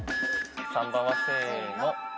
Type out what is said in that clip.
３番はせーの。